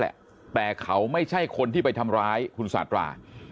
แหละแต่เขาไม่ใช่คนที่ไปทำร้ายคุณสาธารา